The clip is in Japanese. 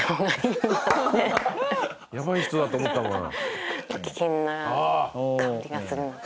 やばい人だと思ったのかな？